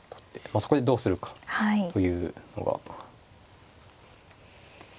あそこでどうするかというのが。